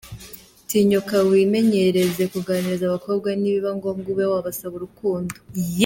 Tinyuka wimenyereze kuganiriza abakobwa nibiba ngombwa ube wasaba urukundo.